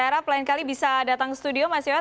saya harap lain kali bisa datang ke studio mas yoyah